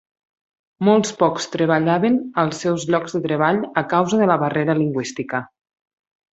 Molt pocs treballaven als seus llocs de treball a causa de la barrera lingüística.